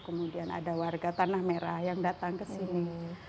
kemudian ada warga tanah merah yang datang ke sini